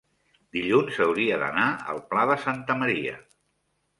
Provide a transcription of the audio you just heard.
dilluns hauria d'anar al Pla de Santa Maria.